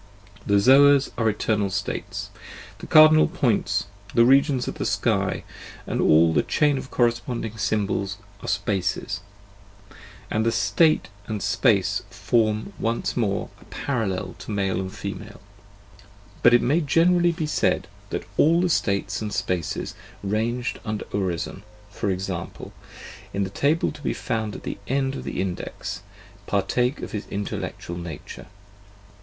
The Zoas are " eternal States," the cardinal points, the regions of the sky, and all the chain of corresponding Symbols are " Spaces ": and State and Space form once more a parallel to Male and Female. But it may generally be said that all the States and Spaces ranged under Urizen, for example, in the table to be found at the end of the Index, par take of his intellectual nature.